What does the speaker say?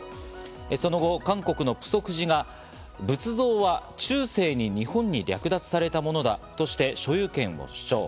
その後、韓国のプソク寺が仏像は中世に日本に略奪されたものだとして、所有権を主張。